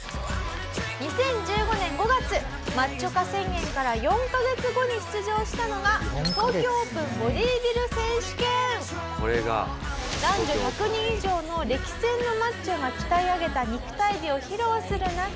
「２０１５年５月マッチョ化宣言から４カ月後に出場したのが東京オープンボディビル選手権」「男女１００人以上の歴戦のマッチョが鍛え上げた肉体美を披露する中」